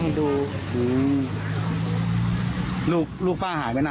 ไม่ได้ไปทำร้ายเขา